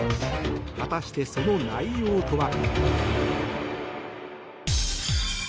果たして、その内容とは。